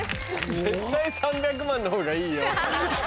絶対３００万のほうがいいよ。